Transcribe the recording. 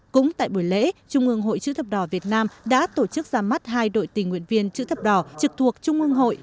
cũng tại buổi lễ trung ương hội chữ thập đỏ việt nam đã tổ chức ra mắt hai đội tình nguyện viên chữ thập đỏ trực thuộc trung ương hội